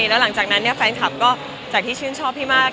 แล้วหลังจากนั้นแฟนคลับก็จากที่ชื่นชอบพี่มาก